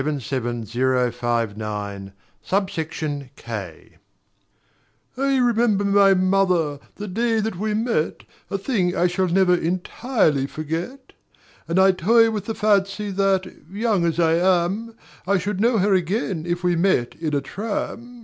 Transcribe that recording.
FOR THE CRÊCHE Form 8277059, Sub Section K I remember my mother, the day that we met, A thing I shall never entirely forget; And I toy with the fancy that, young as I am, I should know her again if we met in a tram.